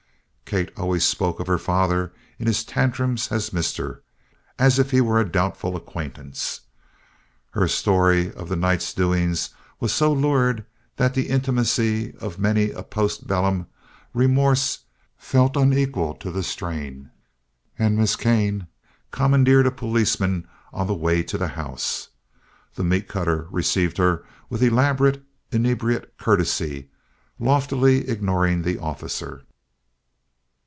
Kate always spoke of her father in his tantrums as Mister, as if he were a doubtful acquaintance. Her story of the night's doings was so lurid that the intimacy of many a post bellum remorse felt unequal to the strain, and Miss Kane commandeered a policeman on the way to the house. The meat cutter received her with elaborate inebriate courtesy, loftily ignoring the officer.